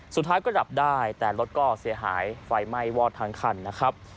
สุดท้ายก็ดับได้แต่รถก็เสียหายไฟไหม้วอดทั้งคันนะครับ